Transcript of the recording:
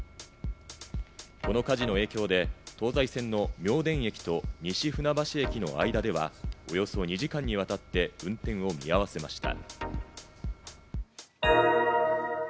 この火事の影響で東西線の妙典駅と西船橋駅の間ではおよそ２時間にわたって運転を見合わせました。